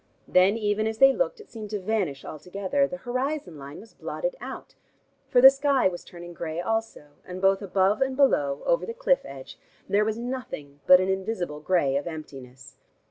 Then even as they looked, it seemed to vanish altogether. The horizon line was blotted out, for the sky was turning gray also, and both above and below, over the cliff edge, there was nothing but an invisible gray of emptiness.